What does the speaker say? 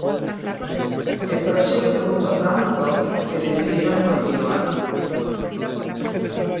El proyecto gustó tanto que decidieron continuar.